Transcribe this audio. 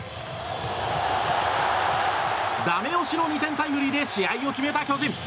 だめ押しの２点タイムリーで試合を決めた巨人。